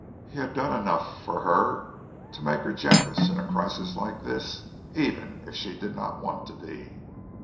He had done enough for her to make her generous in a crisis like this, even if she did not want to be.